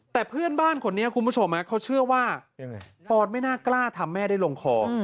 แต่เพื่อนบ้านคนนี้คุณผู้ชมเขาเชื่อว่าปอนไม่น่ากล้าทำแม่ได้ลงคอ